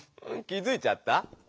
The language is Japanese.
気づいちゃった？